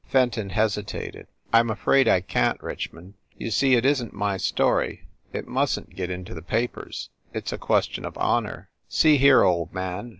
Fenton hesitated. "I m afraid I can t, Rich mond. You see, it isn t my story it mustn t get into the papers it s a question of honor." "See here, old man